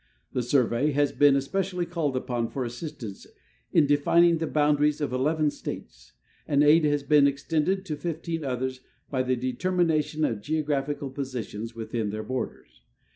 The Survey has been especiall}^ called upon for assistance in defining the boundaries of eleven States, and aid has been ex tended to fifteen others by the determination of geographical positions within their borders.